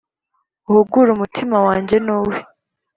uhugure umutima wanjye n'uwe